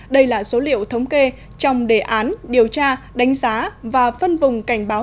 đây là số liệu thống kê trong đề án điều tra đánh giá và phân vùng cảnh báo